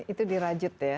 itu di rajut ya